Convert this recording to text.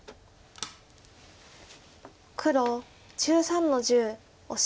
黒１３の十オシ。